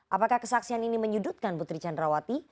apakah kesaksian ini menyudutkan putri candrawati